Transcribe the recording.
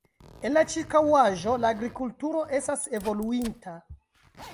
En la ĉirkaŭaĵo la agrikulturo estas evoluinta.